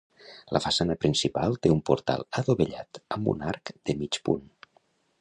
La façana principal té un portal adovellat amb un arc de mig punt.